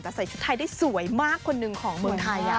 แต่ใส่ชุดไทยได้สวยมากคนหนึ่งของเมืองไทย